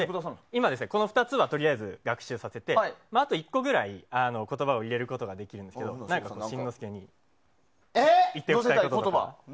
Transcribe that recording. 今、この２つはとりあえず学習させていてあと１個ぐらい言葉を入れることができるんですけど何か新之助にありますか。